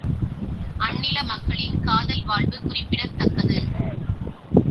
அந்நில மக்களின் காதல் வாழ்வு குறிப்பிடத்தக்கது.